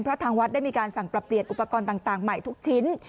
เพราะทางวัดได้มีการสั่งปรับเปลี่ยนอุปกรณ์ต่างใหม่ทุกชิ้น